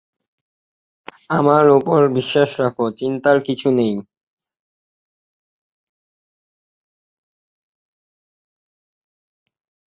আমার উপর বিশ্বাস রাখো, শ্চিন্তার কিছু নেই।